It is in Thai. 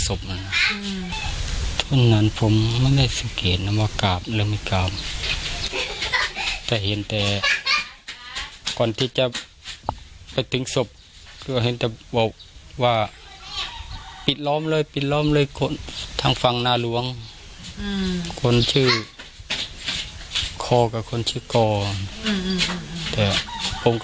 อืมอืมแต่ผมก็บอกให้ไข่เนอะจะไปปิดล้อมอืมอืม